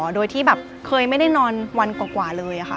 โดยที่แบบเคยไม่ได้นอนวันกว่าเลยค่ะ